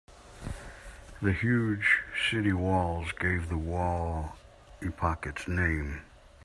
The huge city walls gave the wall epoch its name.